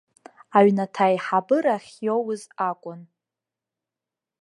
Аҩнаҭа аиҳабыра ахьиоуз акәын.